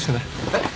えっ？